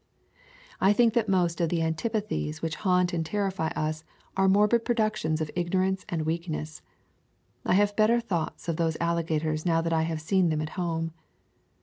I think that most of the antipathies which haunt and terrify us are morbid productions of ignorance and weakness. I have better thoughts of those alligators now that I have seen them at home.